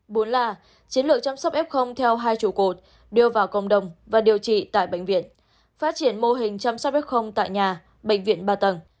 bốn là chiến lược chăm sóc f theo hai trụ cột đưa vào cộng đồng và điều trị tại bệnh viện phát triển mô hình chăm sóc f tại nhà bệnh viện ba tầng